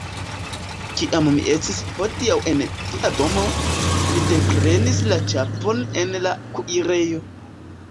Kiam mi estis hodiaŭ en via domo, mi deprenis la ĉapon en la kuirejo.